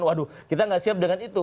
waduh kita nggak siap dengan itu